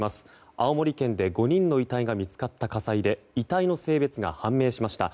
青森県で５人の遺体が見つかった火災で遺体の性別が判明しました。